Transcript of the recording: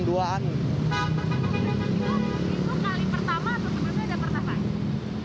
pak itu kali pertama atau sebelumnya ada pertama